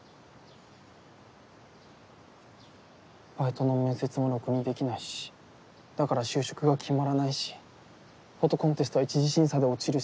バイトの面接もろくにできないしだから就職が決まらないしフォトコンテストは一次審査で落ちるし。